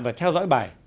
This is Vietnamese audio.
và theo dõi bài